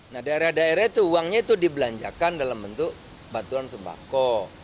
nah daerah daerah itu uangnya itu dibelanjakan dalam bentuk bantuan sembako